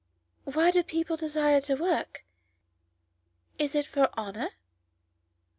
"And why do people desire to work; is it for honour ?